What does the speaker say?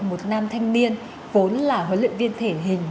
một nam thanh niên vốn là huấn luyện viên thể hình